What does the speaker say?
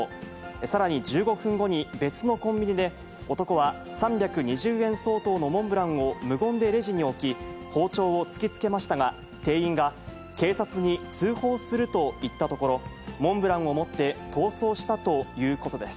さらに１５分後に別のコンビニで、男は３２０円相当のモンブランを無言でレジに置き、包丁を突きつけましたが、店員が警察に通報すると言ったところ、モンブランを持って逃走したということです。